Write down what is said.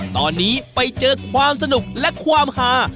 ตอนนี้ไปเจอความสนุกและความหา